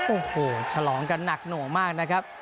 โอ้โหฉลองกันหนักหน่วงมากนะครับ